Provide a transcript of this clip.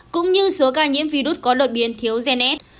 cũng như số ca nhiễm virus có đột biến thiếu gens